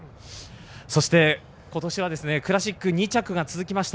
そして今年はクラシック２着が続きました。